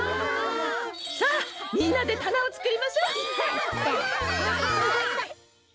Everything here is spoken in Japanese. さあみんなでたなをつくりましょ！